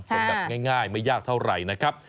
แบบง่ายไม่ยากเท่าไหร่นะครับ